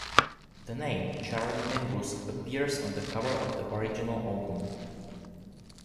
The name "Charlie Mingus" appears on the cover of the original album.